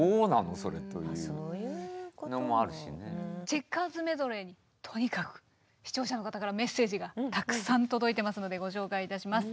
チェッカーズメドレーにとにかく視聴者の方からメッセージがたくさん届いてますのでご紹介いたします。